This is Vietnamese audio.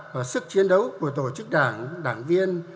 và sức chiến đấu của tổ chức đảng đảng viên